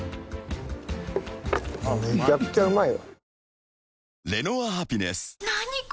めちゃくちゃうまいわ。